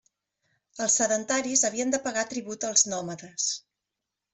Els sedentaris havien de pagar tribut als nòmades.